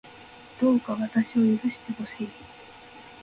どうか私を許してほしい